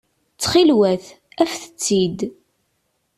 Ttxil-wet, afet-t-id.